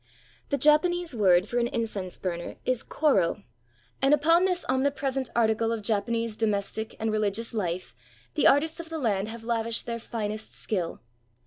The Japanese word for an incense burner is koro, and upon this omnipresent article of Japanese domes tic and religious Ufe the artists of the land have lavished their finest skill.